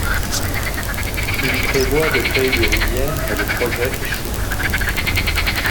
Il prévoit de créer des rizières mais le projet échoue.